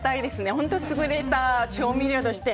本当に優れた調味料として。